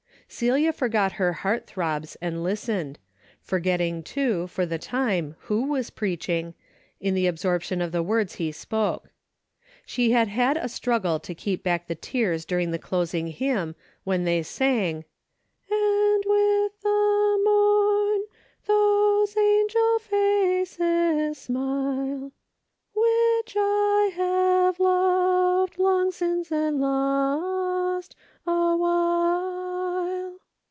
Celia forgot her heart throbs and listened, forgetting, too, for the time who was preach ing, in the absorption of the words he spoke. She had had a struggle to keep back the tears during the closing hymn, when they sang; "And with the morn those angels' faces smile, Which I have loved long since, and lost awhile."